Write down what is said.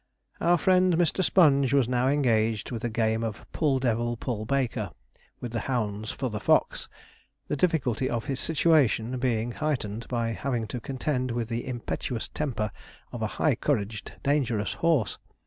Our friend Mr. Sponge was now engaged with a game of 'pull devil, pull baker' with the hounds for the fox, the difficulty of his situation being heightened by having to contend with the impetuous temper of a high couraged, dangerous horse.